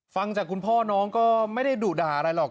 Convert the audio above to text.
ฟังจากคุณพ่อน้องก็ไม่ได้ดุด่าอะไรหรอก